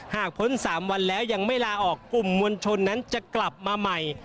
พ้น๓วันแล้วยังไม่ลาออกกลุ่มมวลชนนั้นจะกลับมาใหม่